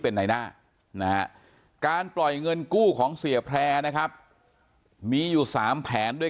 เป็นในหน้านะฮะการปล่อยเงินกู้ของเสียแพร่นะครับมีอยู่๓แผนด้วย